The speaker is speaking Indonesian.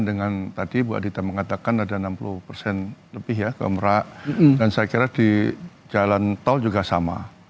dengan tadi bu adita mengatakan ada enam puluh persen lebih ya ke merak dan saya kira di jalan tol juga sama